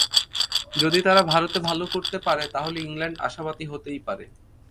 যদি তারা ভারতে ভালো করতে পারে, তাহলে ইংল্যান্ড আশাবাদী হতেই পারে।